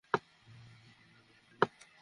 রাজিয়াকে বল আমার কাছে সময় নেই।